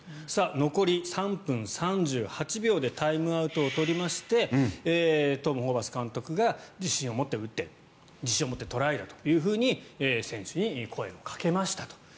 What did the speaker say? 残り３分３８秒でタイムアウトを取りましてトム・ホーバス監督が自信を持って打って自信を持ってトライだと選手に声をかけましたと。